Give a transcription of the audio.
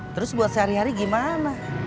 terus buat sehari hari gimana